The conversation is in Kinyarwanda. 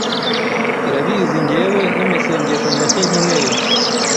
irabizi Njyewe n amasengesho make nkeneye